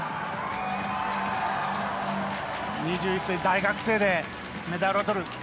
２１歳、大学生でメダルをとる。